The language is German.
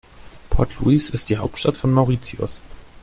Port Louis ist die Hauptstadt von Mauritius.